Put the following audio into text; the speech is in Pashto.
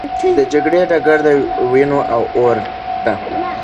د جګړې ډګر د وینو او اور ډک و.